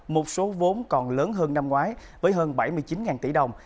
một số vốn còn lớn hơn năm ngoái với hơn bảy mươi chín tỷ đồng